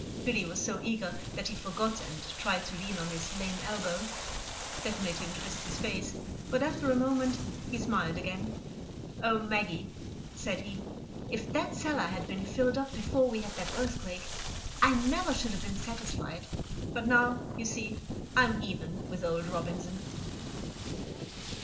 Billy was so eager that he forgot, and tried to lean on his lame elbow. That made him twist his face, but after a moment he smiled again. "Oh, Maggie," said he, "if that cellar had been filled up before we had that earthquake, I never should have been satisfied; but now, you see, I'm even with old Robinson!"